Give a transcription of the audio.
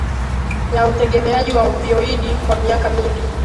ya utegemeaji wa opioidi kwa miaka mingi